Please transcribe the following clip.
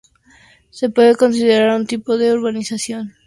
Se puede considerar un tipo de urbanización cerrada.